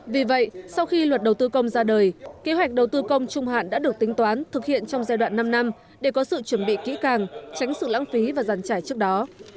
vì vậy sau khi luật đầu tư công ra đời kế hoạch đầu tư công trung hạn đã được tính toán thực hiện trong giai đoạn năm năm để có sự chuẩn bị kỹ càng tránh sự lãng phí và giàn trải trước đó